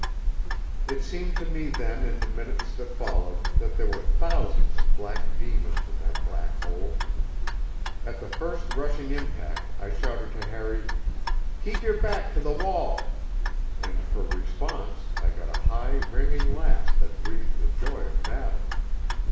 It seemed to me then in the minutes that followed that there were thousands of black demons in that black hole. At the first rushing impact I shouted to Harry: "Keep your back to the wall," and for response I got a high, ringing laugh that breathed the joy of battle.